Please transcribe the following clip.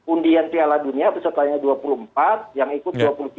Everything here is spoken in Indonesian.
undian piala dunia pesertanya dua puluh empat yang ikut dua puluh tiga